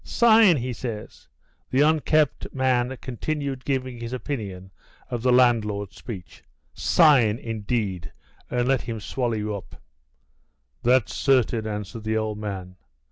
"Sign," he says. The unkempt man continued giving his opinion of the landlord's speech. "'Sign,' indeed, and let him swallow you up." "That's certain," answered the old man.